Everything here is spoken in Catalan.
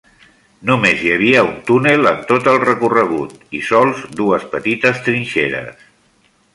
Només hi havia un túnel en tot el recorregut i sols dues petites trinxeres.